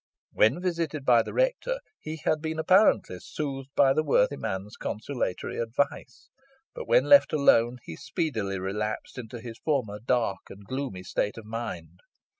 When visited by the rector, he had been apparently soothed by the worthy man's consolatory advice, but when left alone he speedily relapsed into his former dark and gloomy state of mind.